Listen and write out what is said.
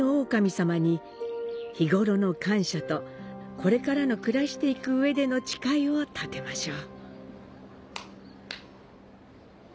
これからの暮らしていく上での誓いを立てましょう。